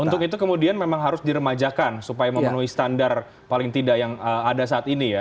untuk itu kemudian memang harus diremajakan supaya memenuhi standar paling tidak yang ada saat ini ya